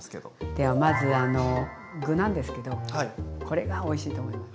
ではまずあの具なんですけどこれがおいしいと思います。